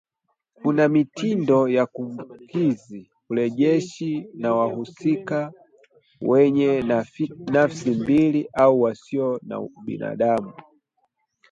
Kuna mitindo ya kumbukizi, urejeshi na wahusika wenye nafsi mbili au wasio na ubinadamu